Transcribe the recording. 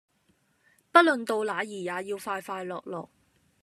不論到那兒也要快快樂樂